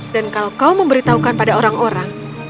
dan kalau kau memberitahukan pada orang orang